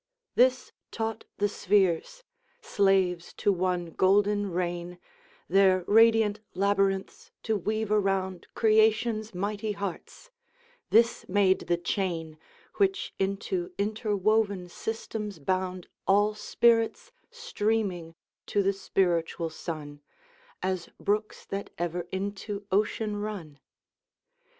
This taught the spheres, slaves to one golden rein, Their radiant labyrinths to weave around Creation's mighty hearts: this made the chain, Which into interwoven systems bound All spirits streaming to the spiritual sun As brooks that ever into ocean run!